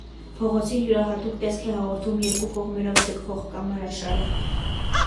Փողոցին յուրահատուկ տեսք է հաղորդում երկու կողմերով ձգվող կամարաշարը։